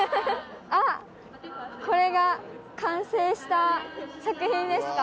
これが完成した作品ですか？